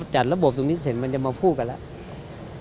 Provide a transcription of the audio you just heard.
จัดระบบตรงนี้เสร็จมันจะมาพูดกันแล้ว